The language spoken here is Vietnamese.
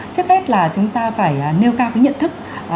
trước hết là chúng ta phải nêu cao cái nhận thức